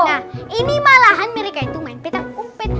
nah ini malahan mereka itu main peter umpet